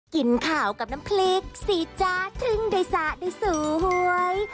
กินข่าวกับน้ำพริกสิจ๊ะถึงได้สะได้สวย